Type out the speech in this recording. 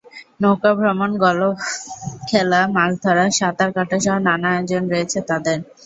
নৌকা ভ্রমণ, গলফ খেলা, মাছধরা, সাঁতার কাটাসহ নানা আয়োজন রয়েছে তাদের।